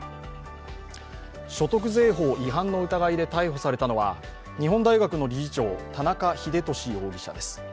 所得税法違反の疑いで逮捕されたのは日本大学の理事長、田中英寿容疑者です。